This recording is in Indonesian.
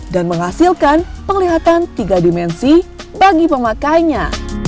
dan menghasilkan penglihatan tiga dimensi bagi pemakainya